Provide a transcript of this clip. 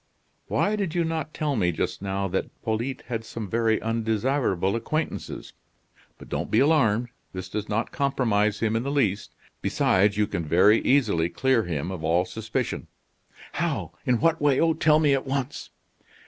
"Why, did you not tell me just now that Polyte had some very undesirable acquaintances? But don't be alarmed; this does not compromise him in the least. Besides, you can very easily clear him of all suspicion." "How? In what way? Oh, tell me at once."